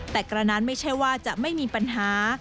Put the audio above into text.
แต่กระนั้นไม่ใช่ว่าจะไม่มีปัญหา